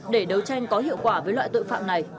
để đấu tranh có hiệu quả với loại tội phạm này